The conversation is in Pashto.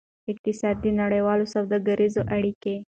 اقتصاد د نړیوالو سوداګریزو اړیک